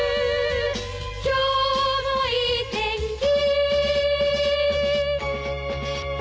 「今日もいい天気」